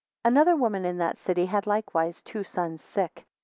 ANOTHER woman in that city had likewise two sons sick.